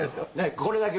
これだけは。